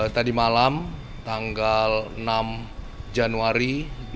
tadi malam tanggal enam januari dua ribu dua puluh